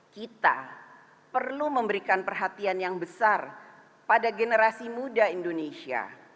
kita perlu memberikan perhatian yang besar pada generasi muda indonesia